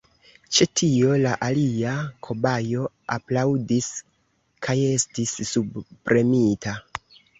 Ĉe tio la alia kobajo aplaŭdis kajestis subpremita.